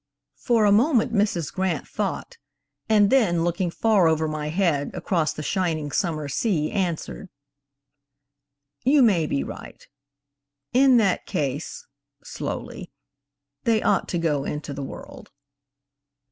"For a moment Mrs. Grant thought, and then, looking far over my head, across the shining summer sea, answered: 'You may be right; in that case,' slowly, 'they ought to go into the world.'"